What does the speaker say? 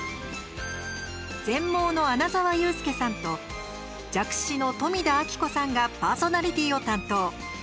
全盲の穴澤雄介さんと弱視の富田安紀子さんがパーソナリティーを担当。